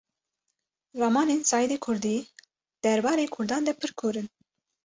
Ramanên Seîdê Kurdî derbarê Kurdan de pir kûr in